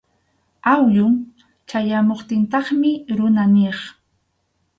Awyun chayamuptintaqmi runa niq.